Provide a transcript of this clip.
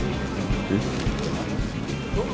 えっ？